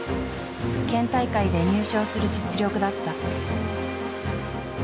県大会で入賞する実力だった。